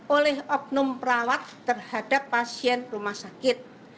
oleh oknum perawat terhadap pasien rumah sakit